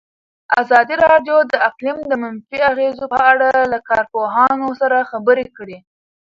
ازادي راډیو د اقلیم د منفي اغېزو په اړه له کارپوهانو سره خبرې کړي.